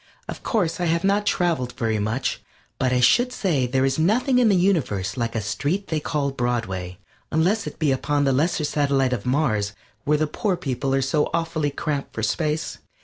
Of course I have not traveled very much, but I should say there is nothing in the universe like a street they call Broadway unless it be upon the lesser satellite of Mars, where the poor people are so awfully cramped for space.